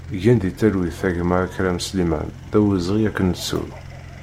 Gen di talwit a gma Akram Sliman, d awezɣi ad k-nettu!